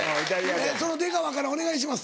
その出川からお願いします。